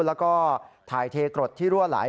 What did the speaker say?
แล้วก็ถ่ายเทกรดที่รั่วไหล